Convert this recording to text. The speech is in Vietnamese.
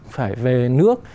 phải về nước